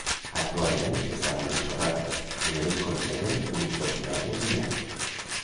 Actualment està molt ensorrada, només es conserven uns dos metres de mur.